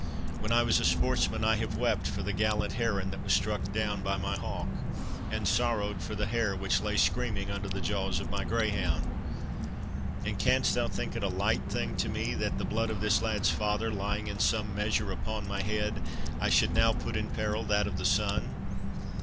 When I was a sportsman, I have wept for the gallant heron that was struck down, by my hawk, and sorrowed for the hare which lay screaming under the jaws of my greyhound; and canst thou think it a light thing to me, that, the blood of this lad's father lying in some measure upon my head, I should now put in peril that of the son?